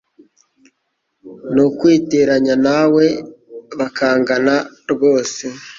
ni ukwiteranya nawe bakangana rwose